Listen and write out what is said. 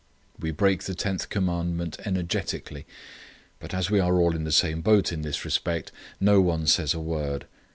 We break the Tenth Commandment energetically, but as we are all in the same boat in this respect, no one says a word.